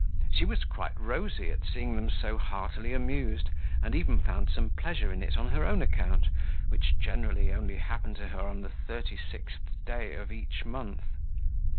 She was quite rosy at seeing them so heartily amused and even found some pleasure in it on her own account, which generally only happened to her on the thirty sixth day of each month.